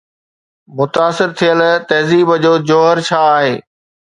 متاثر ٿيل تهذيب جو جوهر ڇا آهي؟